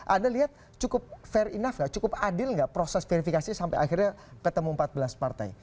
anda lihat cukup fair enough nggak cukup adil nggak proses verifikasi sampai akhirnya ketemu empat belas partai